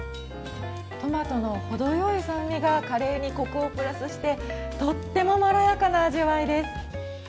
トマトの程よい酸味がカレーにこくをプラスして、とってもまろやかな味わいです。